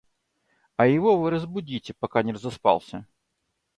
А его вы разбудите, пока не разоспался.